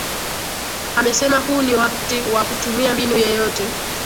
amesema huu ni wakti wa kutumia mbinu yeyote